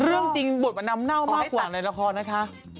เรื่องจริงบทมันนำเน่ามากกว่าในละครนะคะ